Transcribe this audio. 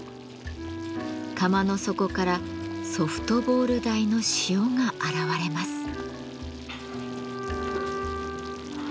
釜の底からソフトボール大の塩が現れます。